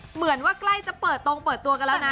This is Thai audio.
เหมือนว่าใกล้จะเปิดตรงเปิดตัวกันแล้วนะ